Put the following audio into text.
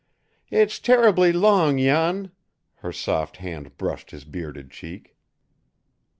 "It's terribly long, Jan!" Her soft hand brushed his bearded cheek.